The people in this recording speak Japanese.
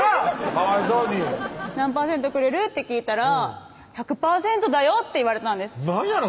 かわいそうに「何％くれる？」って聞いたら「１００％だよ」って言われたんです何やの？